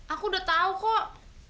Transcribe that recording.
aku udah tahu kok